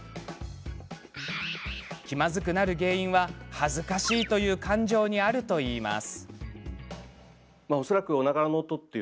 気まずくなる原因は恥ずかしいという感情にあるといいます。